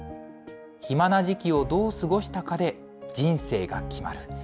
暇な時期をどう過ごしたかで人生が決まる。